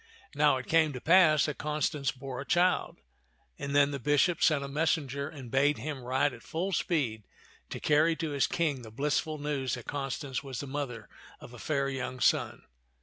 Now it came to pass that Constance bore a child, and then the bishop sent a messenger and bade him ride at full speed to carry to his King the blissful news that Constance was the mother of a fair young son.